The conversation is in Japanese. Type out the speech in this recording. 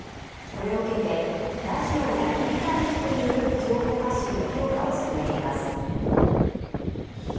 これを受けてラジオやインターネットによる情報発信の強化を進めています。